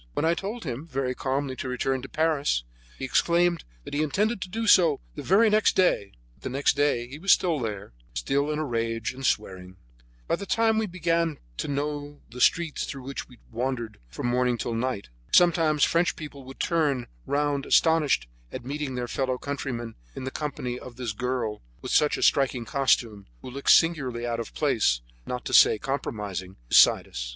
When I told him, very calmly, to return to Paris, he exclaimed that he intended to do so the very next day; but the next day he was still there, still in a rage and swearing. By this time we began to be known in the streets through which we wandered from morning till night. Sometimes French people would turn round astonished at meeting their fellow countrymen in the company of this girl with her striking costume, who looked singularly out of place, not to say compromising, beside us.